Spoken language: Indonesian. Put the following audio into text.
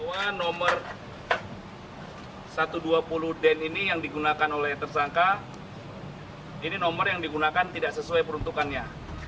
untuk satu ratus dua puluh den ini yang digunakan oleh tersangka ini nomor yang digunakan tidak sesuai peruntukannya